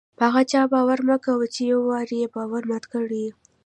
په هغه چا باور مه کوئ! چي یو وار ئې باور مات کړى يي.